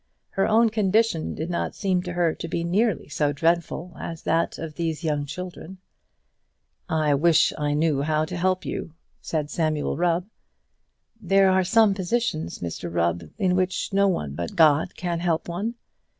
Her own condition did not seem to her to be nearly so dreadful as that of all these young children. "I wish I knew how to help you," said Samuel Rubb. "There are some positions, Mr Rubb, in which no one but God can help one.